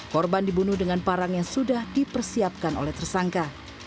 korban dibunuh dengan parang yang sudah dipersiapkan oleh tersangka